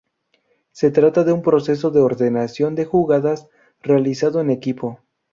Se trata de un proceso de ordenación de jugadas realizado en equipo.